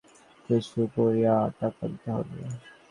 তাহারা খোরাকি-বাবদ মাসে মাসে কিছু করিয়া টাকা দিবে।